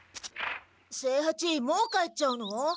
清八もう帰っちゃうの？